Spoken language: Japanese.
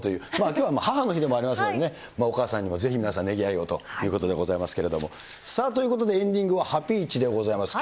きょうは母の日でもありますからね、お母さんにもぜひ皆さんね、ねぎらいをということでございますけれども。ということでエンディングはハピイチでございます。